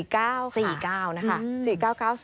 ๔๙ค่ะ๔๙นะคะ